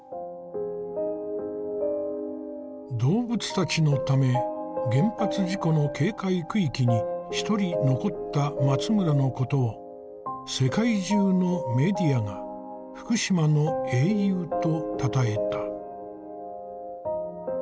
動物たちのため原発事故の警戒区域に一人残った松村のことを世界中のメディアが「福島の英雄」とたたえた。